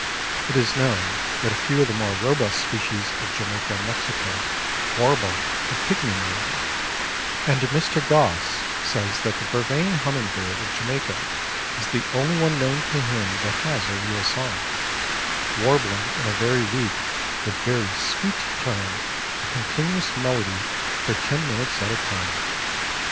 It is known that a few of the more robust species of Jamaica and Mexico warble a pigmy melody, and Mr. Gosse says that the Vervain hummingbird of Jamaica is the only one known to him that has a real song, warbling in a very weak but very sweet tone a continuous melody for ten minutes at a time.